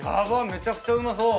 めちゃくちゃうまそう。